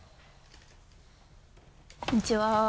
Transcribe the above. こんにちは。